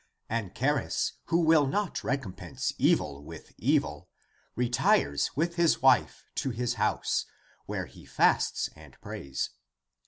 Anchares, who will not recom pense evil with evil, retires with his wife to his house, where he fasts and prays.